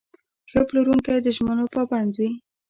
ښه پلورونکی د ژمنو پابند وي.